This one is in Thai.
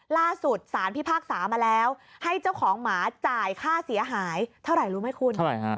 ล่าสุดสารพิพากษามาแล้วให้เจ้าของหมาจ่ายค่าเสียหายเท่าไหร่รู้ไหมคุณเท่าไหร่